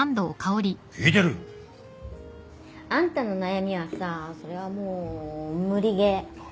聞いてる！あんたの悩みはさそれはもう無理ゲー。